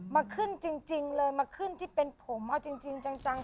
มาขึ้นจริงเลยมาขึ้นที่เป็นผมเอาจริงจัง